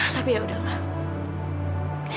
tapi ya udahlah